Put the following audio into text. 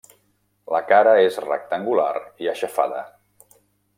La cara és rectangular i aixafada.